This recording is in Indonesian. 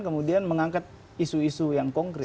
kemudian mengangkat isu isu yang konkret